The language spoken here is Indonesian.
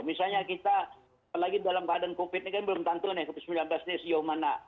misalnya kita apalagi dalam keadaan covid sembilan belas ini kan belum tentu nih ke sembilan belas ini sejauh mana